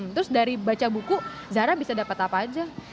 terus dari baca buku zahra bisa dapat apa aja